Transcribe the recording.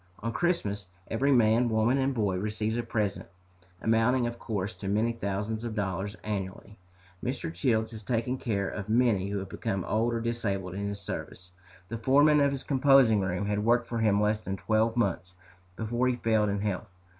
On Christmas every man, woman, and boy receives a present, amounting, of course, to many thousands of dollars annually. Mr. Childs has taken care of many who have become old or disabled in his service. The foreman of his composing room had worked for him less than twelve months before he failed in health.